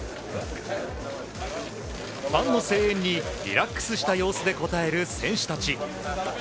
ファンの声援に、リラックスした様子で応える選手たち。